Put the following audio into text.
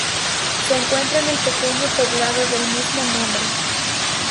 Se encuentra en el pequeño poblado del mismo nombre.